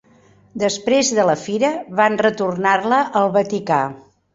Després de la fira, van retornar-la al Vaticà.